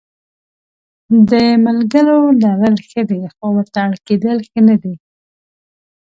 د ملګرو لرل ښه دي خو ورته اړ کېدل ښه نه دي.